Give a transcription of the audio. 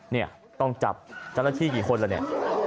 เนี่ยต้องจับตั้งแต่ที่กี่คนละเนี่ย